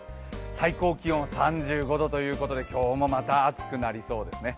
最高気温３５度ということで今日もまた暑くなりそうですね。